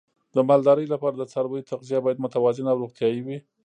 د مالدارۍ لپاره د څارویو تغذیه باید متوازنه او روغتیايي وي.